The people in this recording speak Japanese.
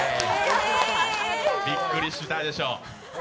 びっくりしたでしょ。